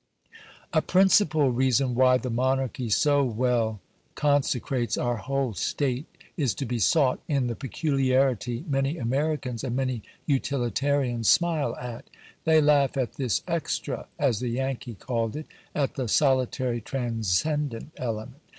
A principal reason why the Monarchy so well consecrates our whole state is to be sought in the peculiarity many Americans and many utilitarians smile at. They laugh at this "extra," as the Yankee called it, at the solitary transcendent element.